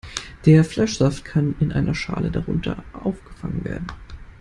Der Fleischsaft kann in einer Schale darunter aufgefangen werden.